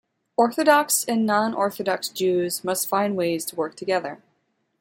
Orthodox and non-Orthodox Jews must find ways to work together.